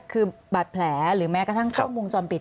คือบัตรแผลหรือแม้กระทั่งข้อมูลจอมปิด